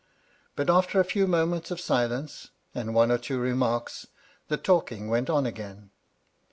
But after a few moments of silence, and one or two remarks, the talking went on again.